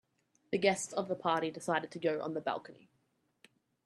The guests of the party decided to go on the balcony.